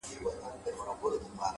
• زه له ټولو سره خپل د هیچا نه یم,